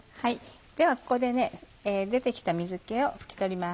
ではここで出て来た水気を拭き取ります。